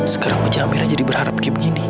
sekarang aja hampir jadi berharap kayak begini